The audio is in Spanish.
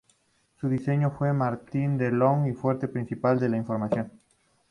Su diseñador fue Martin de Jong, y fuente principal de información.